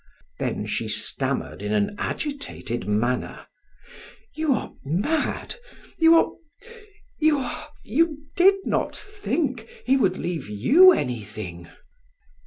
Then she stammered in an agitated manner: "You are mad you are you are you did not think he would leave you anything!"